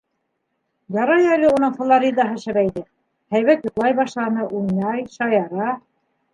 Ярай әле уның Флоридаһы шәбәйҙе, һәйбәт йоҡлай башланы, уйнай, шаяра.